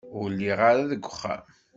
Ur lliɣ ara deg uxxam.